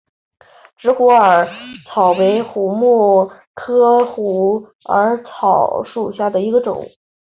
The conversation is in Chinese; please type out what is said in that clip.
直萼虎耳草为虎耳草科虎耳草属下的一个种。